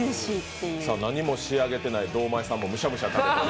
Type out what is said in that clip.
何も仕上げてない堂前さんもむしゃむしゃ食べてる。